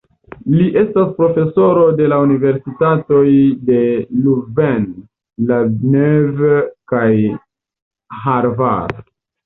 Li estas profesoro de la universitatoj de Louvain-la-Neuve kaj Harvard.